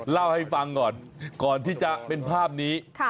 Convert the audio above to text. เล่าให้ฟังก่อนก่อนที่จะเป็นภาพนี้